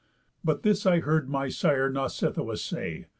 But this I heard my sire Nausithous say.